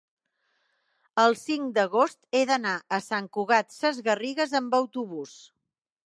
el cinc d'agost he d'anar a Sant Cugat Sesgarrigues amb autobús.